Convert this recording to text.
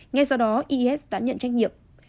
ngay sau đó isis đã nhận trách nhiệm